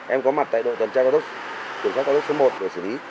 em có mặt tại đội tuần tra cao tốc kiểm soát cao tốc số một để xử lý